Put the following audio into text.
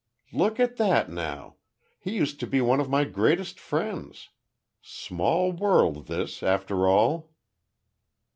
"Look at that now. He used to be one of my greatest friends. Small world this after all."